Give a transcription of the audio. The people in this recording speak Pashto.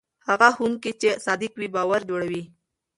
هغه ښوونکی چې صادق وي باور جوړوي.